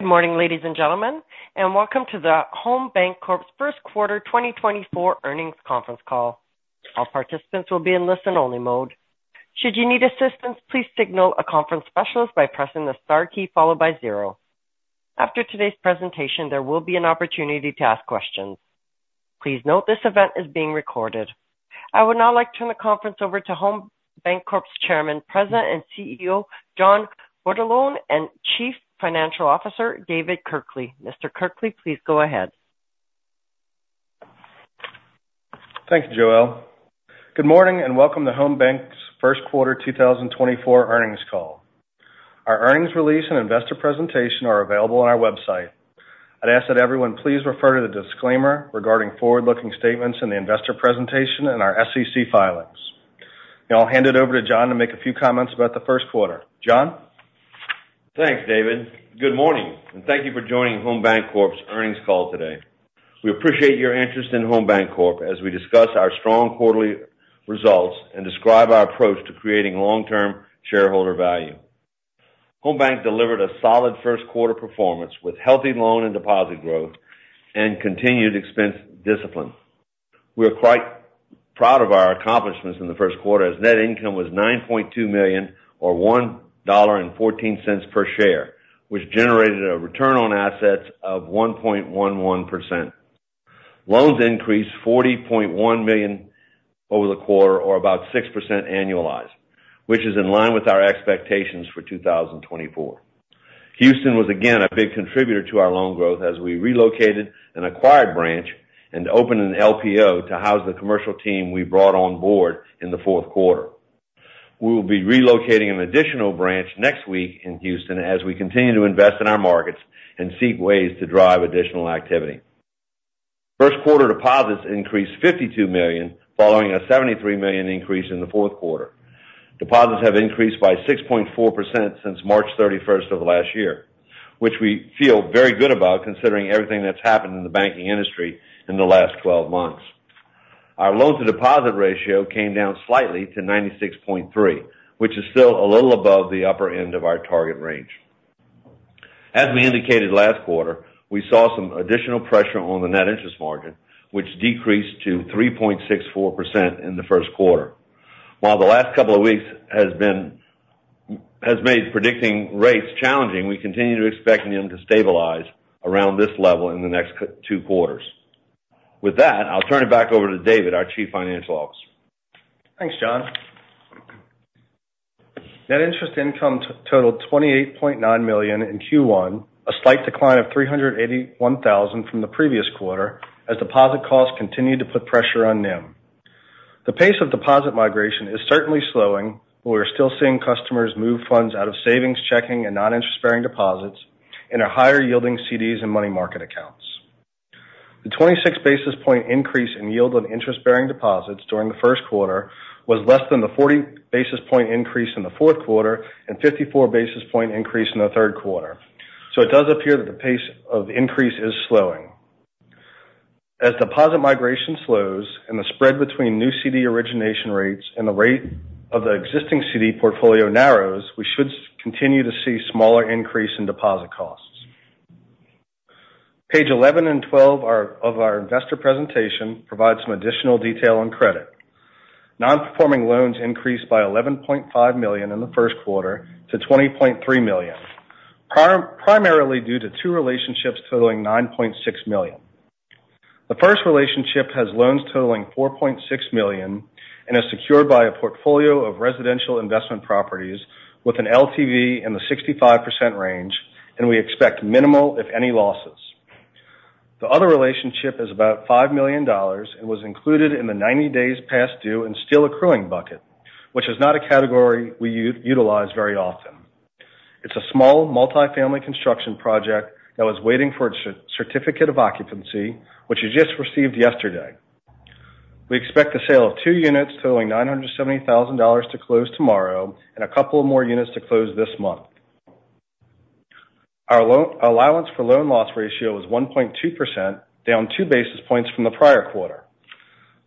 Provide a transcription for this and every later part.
Good morning, ladies and gentlemen, and welcome to the Home Bancorp's first quarter 2024 earnings conference call. All participants will be in listen-only mode. Should you need assistance, please signal a conference specialist by pressing the star key followed by zero. After today's presentation, there will be an opportunity to ask questions. Please note this event is being recorded. I would now like to turn the conference over to Home Bancorp's Chairman, President, and CEO John Bordelon, and Chief Financial Officer David Kirkley. Mr. Kirkley, please go ahead. Thanks, Joelle. Good morning and welcome to Home Bancorp's first quarter 2024 earnings call. Our earnings release and investor presentation are available on our website. I'd ask that everyone please refer to the disclaimer regarding forward-looking statements in the investor presentation and our SEC filings. Now I'll hand it over to John to make a few comments about the first quarter. John? Thanks, David. Good morning, and thank you for joining Home Bancorp's earnings call today. We appreciate your interest in Home Bancorp as we discuss our strong quarterly results and describe our approach to creating long-term shareholder value. Home Bancorp delivered a solid first quarter performance with healthy loan and deposit growth and continued expense discipline. We are quite proud of our accomplishments in the first quarter as net income was $9.2 million or $1.14 per share, which generated a return on assets of 1.11%. Loans increased $40.1 million over the quarter or about 6% annualized, which is in line with our expectations for 2024. Houston was again a big contributor to our loan growth as we relocated an acquired branch and opened an LPO to house the commercial team we brought on board in the fourth quarter. We will be relocating an additional branch next week in Houston as we continue to invest in our markets and seek ways to drive additional activity. First quarter deposits increased $52 million following a $73 million increase in the fourth quarter. Deposits have increased by 6.4% since March 31st of last year, which we feel very good about considering everything that's happened in the banking industry in the last 12 months. Our loan-to-deposit ratio came down slightly to 96.3, which is still a little above the upper end of our target range. As we indicated last quarter, we saw some additional pressure on the net interest margin, which decreased to 3.64% in the first quarter. While the last couple of weeks has made predicting rates challenging, we continue to expect them to stabilize around this level in the next two quarters. With that, I'll turn it back over to David, our Chief Financial Officer. Thanks, John. Net interest income totaled $28.9 million in Q1, a slight decline of $381,000 from the previous quarter as deposit costs continued to put pressure on NIM. The pace of deposit migration is certainly slowing, but we are still seeing customers move funds out of savings, checking, and non-interest-bearing deposits into higher-yielding CDs and money market accounts. The 26-basis-point increase in yield on interest-bearing deposits during the first quarter was less than the 40-basis-point increase in the fourth quarter and 54-basis-point increase in the third quarter. So it does appear that the pace of increase is slowing. As deposit migration slows and the spread between new CD origination rates and the rate of the existing CD portfolio narrows, we should continue to see smaller increase in deposit costs. Page 11 and 12 of our investor presentation provide some additional detail on credit. Non-performing loans increased by $11.5 million in the first quarter to $20.3 million, primarily due to two relationships totaling $9.6 million. The first relationship has loans totaling $4.6 million and is secured by a portfolio of residential investment properties with an LTV in the 65% range, and we expect minimal, if any, losses. The other relationship is about $5 million and was included in the 90 days past due and still accruing bucket, which is not a category we utilize very often. It's a small multifamily construction project that was waiting for its certificate of occupancy, which it just received yesterday. We expect the sale of two units totaling $970,000 to close tomorrow and a couple of more units to close this month. Our allowance for loan loss ratio was 1.2%, down 2 basis points from the prior quarter.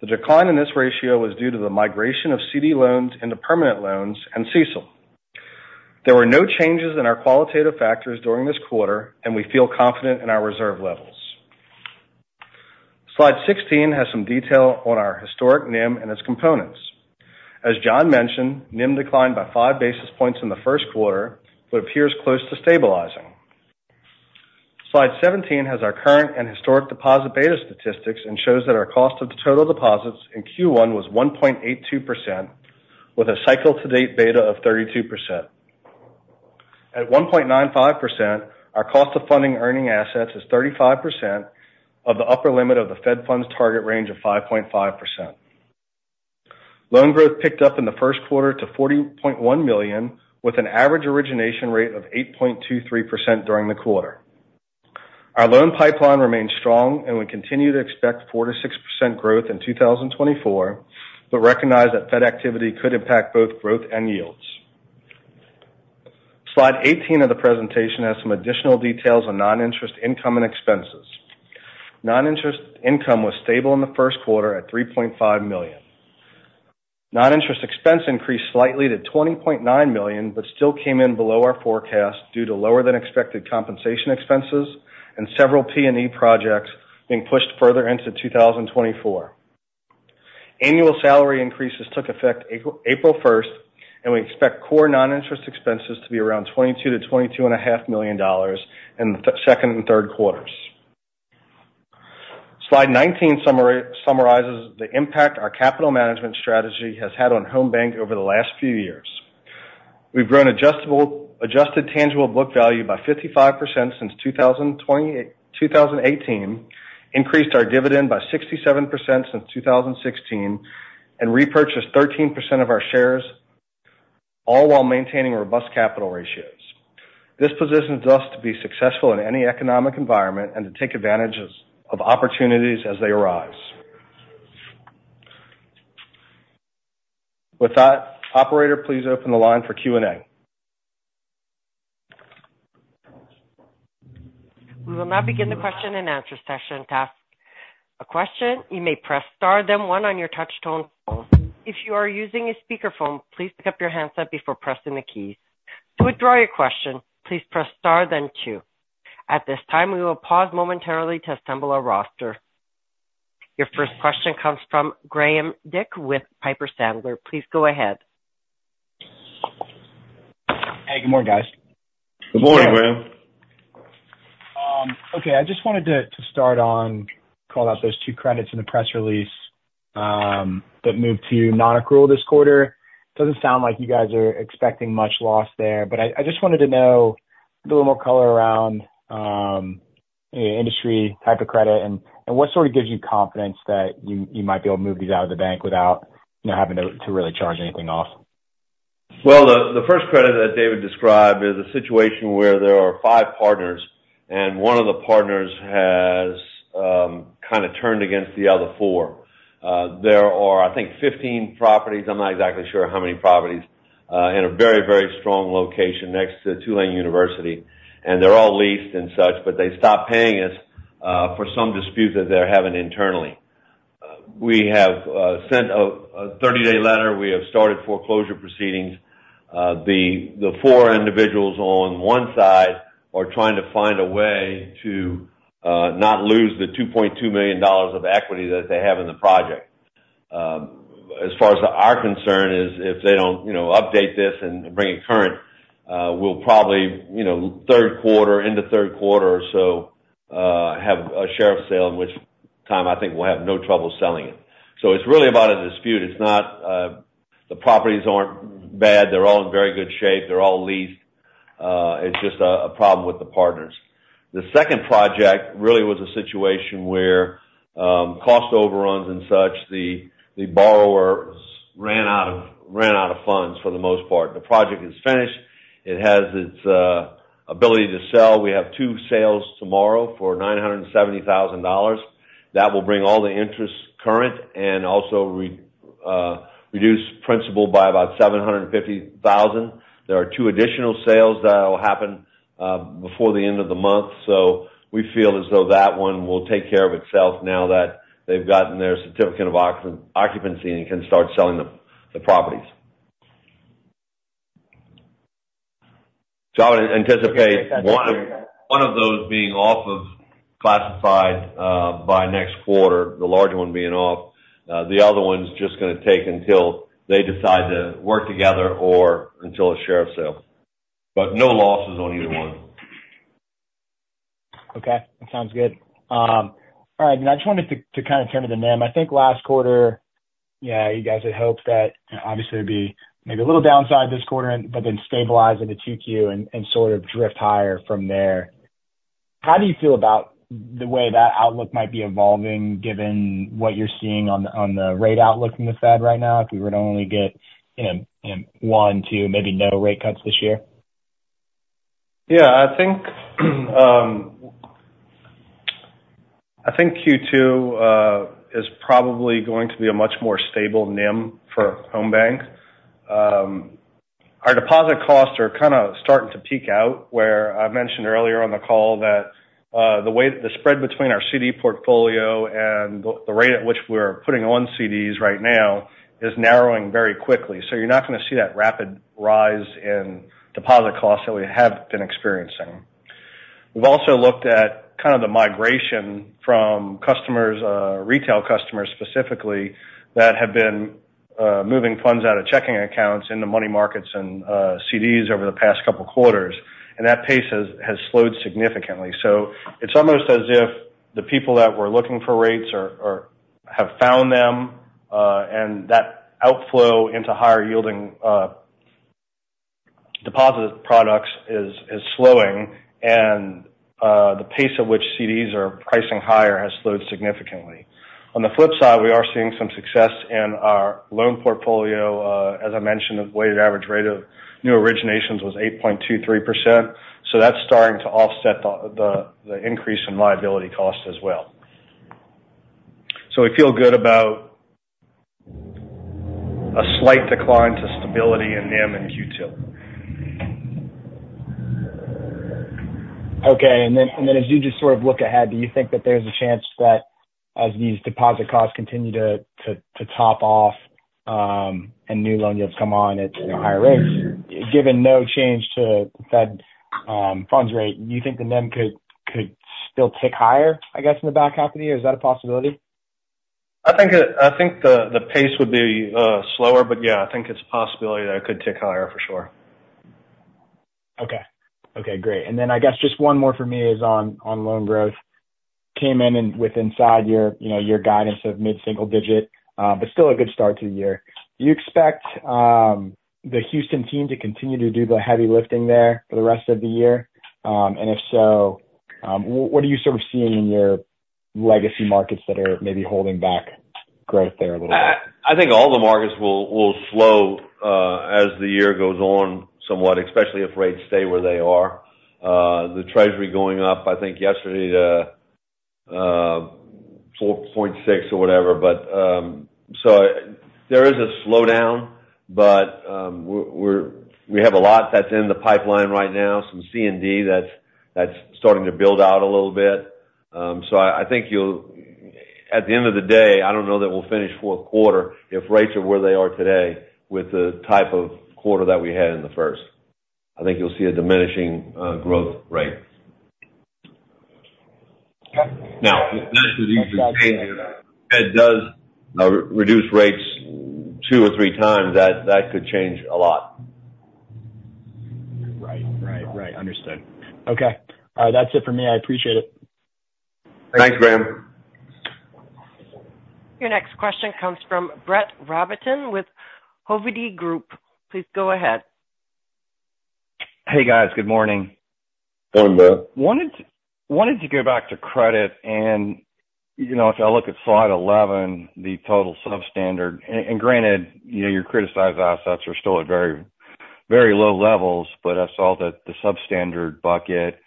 The decline in this ratio was due to the migration of C&D loans into permanent loans and CECL. There were no changes in our qualitative factors during this quarter, and we feel confident in our reserve levels. Slide 16 has some detail on our historic NIM and its components. As John mentioned, NIM declined by 5 basis points in the first quarter, but appears close to stabilizing. Slide 17 has our current and historic deposit beta statistics and shows that our cost of total deposits in Q1 was 1.82% with a cycle-to-date beta of 32%. At 1.95%, our cost of funding earning assets is 35% of the upper limit of the Fed funds target range of 5.5%. Loan growth picked up in the first quarter to $40.1 million with an average origination rate of 8.23% during the quarter. Our loan pipeline remains strong, and we continue to expect 4%-6% growth in 2024, but recognize that Fed activity could impact both growth and yields. Slide 18 of the presentation has some additional details on noninterest income and expenses. Noninterest income was stable in the first quarter at $3.5 million. Noninterest expense increased slightly to $20.9 million but still came in below our forecast due to lower-than-expected compensation expenses and several P&E projects being pushed further into 2024. Annual salary increases took effect April 1st, and we expect core noninterest expenses to be around $22 million-$22.5 million in the second and third quarters. Slide 19 summarizes the impact our capital management strategy has had on Home Bancorp over the last few years. We've grown adjusted tangible book value by 55% since 2018, increased our dividend by 67% since 2016, and repurchased 13% of our shares, all while maintaining robust capital ratios. This positions us to be successful in any economic environment and to take advantage of opportunities as they arise. With that, operator, please open the line for Q&A. We will now begin the question-and-answer session. To ask a question, you may press star, then one on your touchscreen phone. If you are using a speakerphone, please pick up your handset before pressing the keys. To withdraw your question, please press star, then two. At this time, we will pause momentarily to assemble our roster. Your first question comes from Graham Dick with Piper Sandler. Please go ahead. Hey, good morning, guys. Good morning, Graham. Okay, I just wanted to start on calling out those two credits in the press release that moved to non-accrual this quarter. It doesn't sound like you guys are expecting much loss there, but I just wanted to know a little more color around industry type of credit and what sort of gives you confidence that you might be able to move these out of the bank without having to really charge anything off. Well, the first credit that David described is a situation where there are five partners, and one of the partners has kind of turned against the other four. There are, I think, 15 properties, I'm not exactly sure how many properties, in a very, very strong location next to Tulane University, and they're all leased and such, but they stopped paying us for some dispute that they're having internally. We have sent a 30-day letter. We have started foreclosure proceedings. The four individuals on one side are trying to find a way to not lose the $2.2 million of equity that they have in the project. As far as our concern is, if they don't update this and bring it current, we'll probably, end of third quarter or so, have a sheriff's sale in which time I think we'll have no trouble selling it. So it's really about a dispute. The properties aren't bad. They're all in very good shape. They're all leased. It's just a problem with the partners. The second project really was a situation where cost overruns and such, the borrowers ran out of funds for the most part. The project is finished. It has its ability to sell. We have two sales tomorrow for $970,000. That will bring all the interest current and also reduce principal by about $750,000. There are two additional sales that will happen before the end of the month, so we feel as though that one will take care of itself now that they've gotten their certificate of occupancy and can start selling the properties. So I would anticipate one of those being off of classified by next quarter, the larger one being off. The other one's just going to take until they decide to work together or until a sheriff's sale. But no losses on either one. Okay. That sounds good. All right. And I just wanted to kind of turn to the NIM. I think last quarter, yeah, you guys had hoped that obviously there'd be maybe a little downside this quarter but then stabilize into 2Q and sort of drift higher from there. How do you feel about the way that outlook might be evolving given what you're seeing on the rate outlook from the Fed right now, if we were to only get one, two, maybe no rate cuts this year? Yeah. I think Q2 is probably going to be a much more stable NIM for Home Bancorp. Our deposit costs are kind of starting to peak out where I mentioned earlier on the call that the spread between our CD portfolio and the rate at which we're putting on CDs right now is narrowing very quickly. So you're not going to see that rapid rise in deposit costs that we have been experiencing. We've also looked at kind of the migration from retail customers specifically that have been moving funds out of checking accounts into money markets and CDs over the past couple of quarters, and that pace has slowed significantly. So it's almost as if the people that were looking for rates have found them, and that outflow into higher-yielding deposit products is slowing, and the pace at which CDs are pricing higher has slowed significantly. On the flip side, we are seeing some success in our loan portfolio. As I mentioned, the weighted average rate of new originations was 8.23%, so that's starting to offset the increase in liability costs as well. So we feel good about a slight decline to stability in NIM and Q2. Okay. And then as you just sort of look ahead, do you think that there's a chance that as these deposit costs continue to top off and new loan yields come on at higher rates, given no change to the Fed funds rate, do you think the NIM could still tick higher, I guess, in the back half of the year? Is that a possibility? I think the pace would be slower, but yeah, I think it's a possibility that it could tick higher for sure. Okay. Okay. Great. And then I guess just one more for me is on loan growth. Came in within your guidance of mid-single digit, but still a good start to the year. Do you expect the Houston team to continue to do the heavy lifting there for the rest of the year? And if so, what are you sort of seeing in your legacy markets that are maybe holding back growth there a little bit? I think all the markets will slow as the year goes on somewhat, especially if rates stay where they are. The Treasury going up, I think, yesterday to 4.6 or whatever. So there is a slowdown, but we have a lot that's in the pipeline right now, some C&D that's starting to build out a little bit. So I think at the end of the day, I don't know that we'll finish fourth quarter if rates are where they are today with the type of quarter that we had in the first. I think you'll see a diminishing growth rate. Now, that could even change if the Fed does reduce rates two or three times. That could change a lot. Right. Right. Right. Understood. Okay. All right. That's it for me. I appreciate it. Thanks, Graham. Your next question comes from Brett Rabatin with Hovde Group. Please go ahead. Hey, guys. Good morning. Morning, Brett. Wanted to go back to credit. If I look at slide 11, the total substandard and granted, your criticized assets are still at very low levels, but I saw that the substandard bucket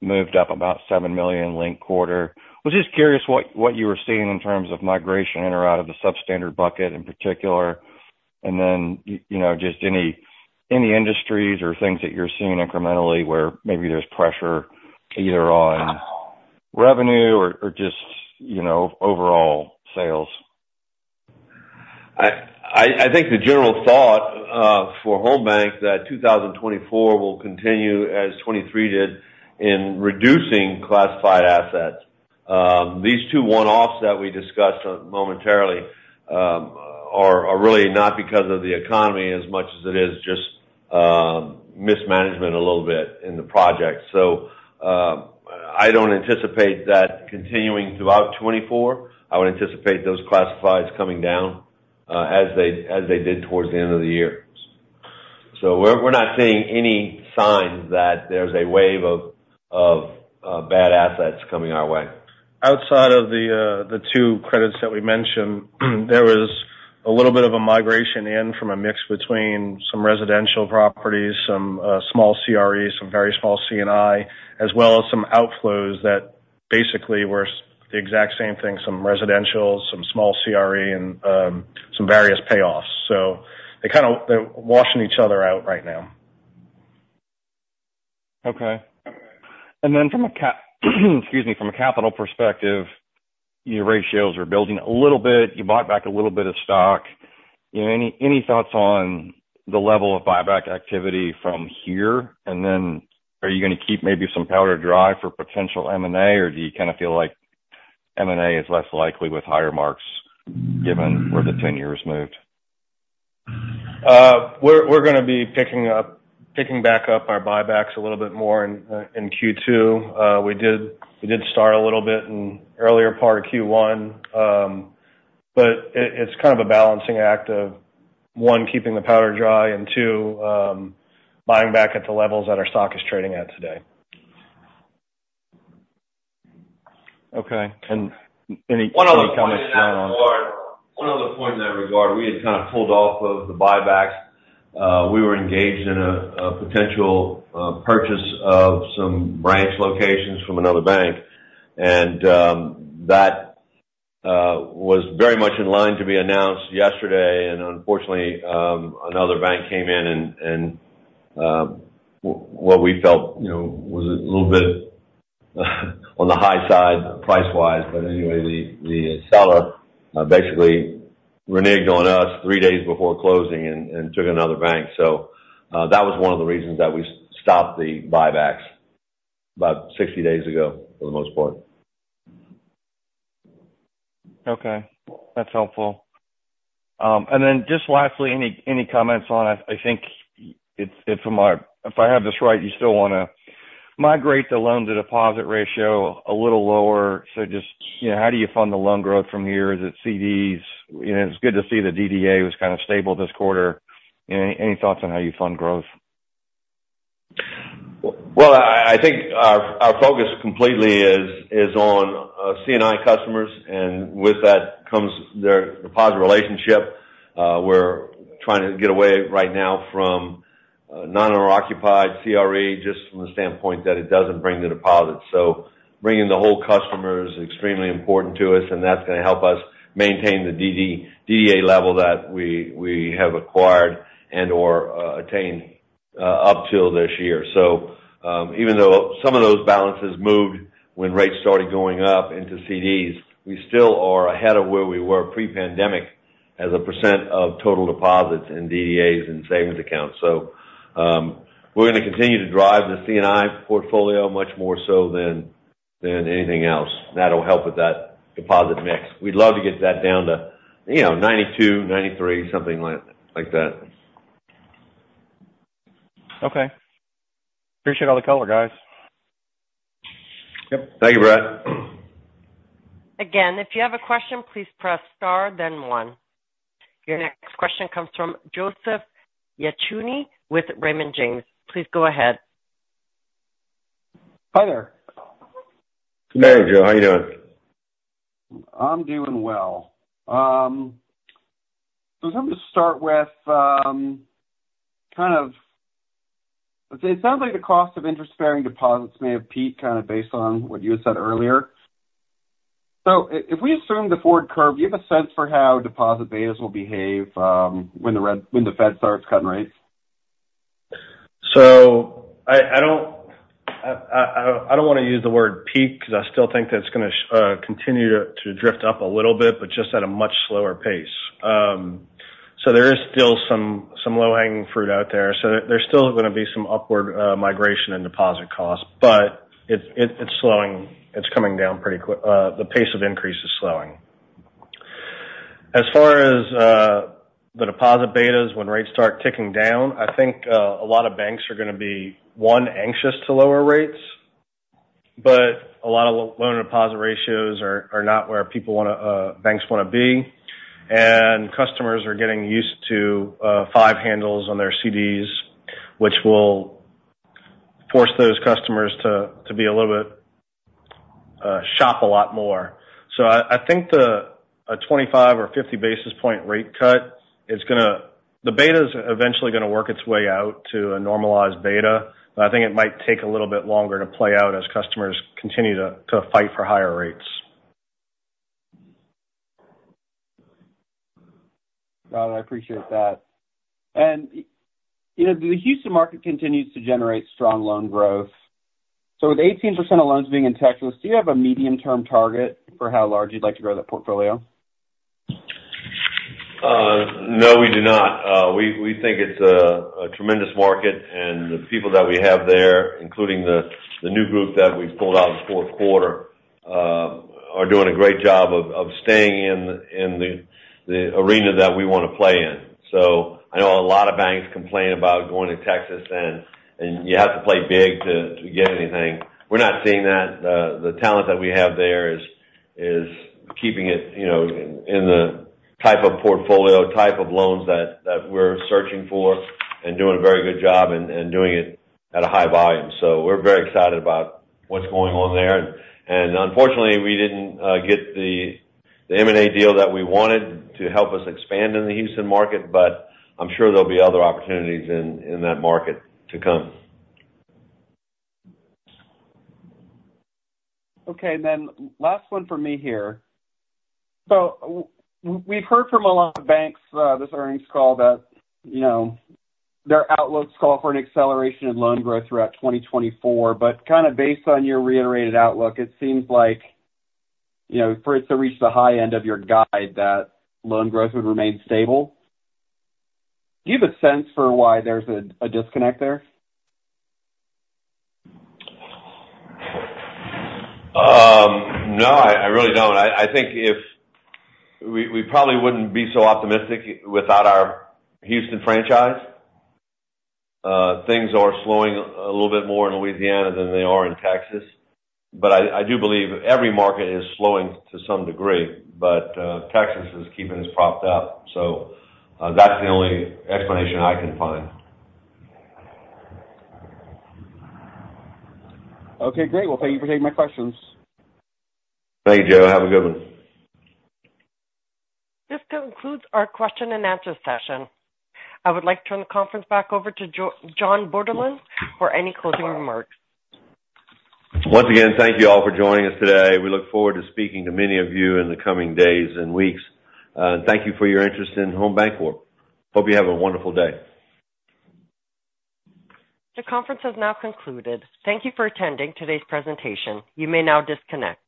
moved up about $7 million linked quarter. I was just curious what you were seeing in terms of migration in or out of the substandard bucket in particular, and then just any industries or things that you're seeing incrementally where maybe there's pressure either on revenue or just overall sales. I think the general thought for Home Bancorp is that 2024 will continue as 2023 did in reducing classified assets. These two one-offs that we discussed momentarily are really not because of the economy as much as it is just mismanagement a little bit in the project. So I don't anticipate that continuing throughout 2024. I would anticipate those classifieds coming down as they did towards the end of the year. So we're not seeing any signs that there's a wave of bad assets coming our way. Outside of the two credits that we mentioned, there was a little bit of a migration in from a mix between some residential properties, some small CRE, some very small C&I, as well as some outflows that basically were the exact same thing, some residentials, some small CRE, and some various payoffs. So they're washing each other out right now. Okay. And then from a, excuse me, from a capital perspective, your ratios are building a little bit. You bought back a little bit of stock. Any thoughts on the level of buyback activity from here? And then are you going to keep maybe some powder dry for potential M&A, or do you kind of feel like M&A is less likely with higher marks given where the 10 years moved? We're going to be picking back up our buybacks a little bit more in Q2. We did start a little bit in earlier part of Q1, but it's kind of a balancing act of, one, keeping the powder dry, and two, buying back at the levels that our stock is trading at today. Okay. Any comments going on? One other point in that regard, we had kind of pulled off of the buybacks. We were engaged in a potential purchase of some branch locations from another bank, and that was very much in line to be announced yesterday. Unfortunately, another bank came in, and what we felt was a little bit on the high side price-wise. Anyway, the seller basically reneged on us three days before closing and took another bank. That was one of the reasons that we stopped the buybacks about 60 days ago for the most part. Okay. That's helpful. And then just lastly, any comments on I think if I have this right, you still want to migrate the loan-to-deposit ratio a little lower. So just how do you fund the loan growth from here? Is it CDs? It's good to see the DDA was kind of stable this quarter. Any thoughts on how you fund growth? Well, I think our focus completely is on C&I customers, and with that comes their deposit relationship. We're trying to get away right now from non-occupied CRE just from the standpoint that it doesn't bring the deposits. So bringing the whole customer is extremely important to us, and that's going to help us maintain the DDA level that we have acquired and/or attained up till this year. So even though some of those balances moved when rates started going up into CDs, we still are ahead of where we were pre-pandemic as a % of total deposits and DDAs and savings accounts. So we're going to continue to drive the C&I portfolio much more so than anything else, and that'll help with that deposit mix. We'd love to get that down to 92, 93, something like that. Okay. Appreciate all the color, guys. Yep. Thank you, Brett. Again, if you have a question, please press star, then one. Your next question comes from Joseph Yanchunis with Raymond James. Please go ahead. Hi there. Good morning, Joe. How are you doing? I'm doing well. So I'm going to start with, kind of, let's say, it sounds like the cost of interest-bearing deposits may have peaked, kind of, based on what you had said earlier. So if we assume the forward curve, do you have a sense for how deposit betas will behave when the Fed starts cutting rates? So I don't want to use the word peak because I still think that's going to continue to drift up a little bit, but just at a much slower pace. So there is still some low-hanging fruit out there. So there's still going to be some upward migration in deposit costs, but it's coming down pretty quick. The pace of increase is slowing. As far as the deposit betas, when rates start ticking down, I think a lot of banks are going to be, one, anxious to lower rates, but a lot of loan-to-deposit ratios are not where banks want to be. And customers are getting used to five handles on their CDs, which will force those customers to be a little bit shop a lot more. So I think a 25 or 50 basis point rate cut, the beta's eventually going to work its way out to a normalized beta, but I think it might take a little bit longer to play out as customers continue to fight for higher rates. Rod, I appreciate that. The Houston market continues to generate strong loan growth. With 18% of loans being in Texas, do you have a medium-term target for how large you'd like to grow that portfolio? No, we do not. We think it's a tremendous market, and the people that we have there, including the new group that we pulled out in the fourth quarter, are doing a great job of staying in the arena that we want to play in. So I know a lot of banks complain about going to Texas and you have to play big to get anything. We're not seeing that. The talent that we have there is keeping it in the type of portfolio, type of loans that we're searching for, and doing a very good job and doing it at a high volume. So we're very excited about what's going on there. And unfortunately, we didn't get the M&A deal that we wanted to help us expand in the Houston market, but I'm sure there'll be other opportunities in that market to come. Okay. And then last one for me here. So we've heard from a lot of banks this earnings call that their outlook's called for an acceleration in loan growth throughout 2024. But kind of based on your reiterated outlook, it seems like for it to reach the high end of your guide, that loan growth would remain stable. Do you have a sense for why there's a disconnect there? No, I really don't. I think we probably wouldn't be so optimistic without our Houston franchise. Things are slowing a little bit more in Louisiana than they are in Texas. But I do believe every market is slowing to some degree, but Texas is keeping it propped up. So that's the only explanation I can find. Okay. Great. Well, thank you for taking my questions. Thank you, Joe. Have a good one. This concludes our question-and-answer session. I would like to turn the conference back over to John Bordelon for any closing remarks. Once again, thank you all for joining us today. We look forward to speaking to many of you in the coming days and weeks. Thank you for your interest in Home Bancorp. Hope you have a wonderful day. The conference has now concluded. Thank you for attending today's presentation. You may now disconnect.